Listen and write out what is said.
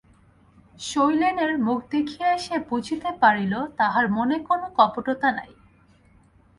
শৈলেনের মুখ দেখিয়াই সে বুঝিতে পারিল, তাহার মনে কোনো কপটতা নাই।